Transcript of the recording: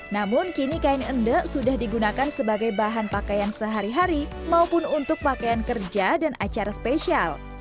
namun kini kain endek sudah digunakan sebagai bahan pakaian sehari hari maupun untuk pakaian kerja dan acara spesial